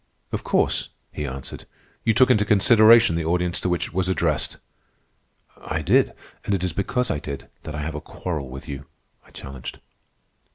"Of course," he answered, "you took into consideration the audience to which it was addressed." "I did, and it is because I did that I have a quarrel with you," I challenged.